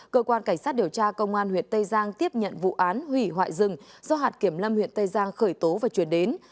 cơ quan cảnh sát điều tra công an huyện tây giang tiếp nhận vụ án hủy hoại rừng do hạt kiểm lâm huyện tây giang khởi tố và chuyển đến